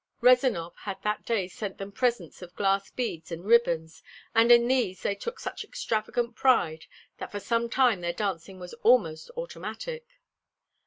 Rezanov had that day sent them presents of glass beads and ribbons, and in these they took such extravagant pride that for some time their dancing was almost automatic.